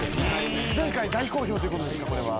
前回大好評ということですかこれは。